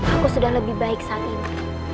aku sudah lebih baik saat ini